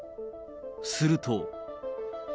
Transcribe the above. すると。